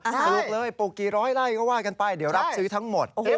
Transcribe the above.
ปลูกเลยปลูกกี่ร้อยไล่ก็ว่ากันไปเดี๋ยวรับซื้อทั้งหมด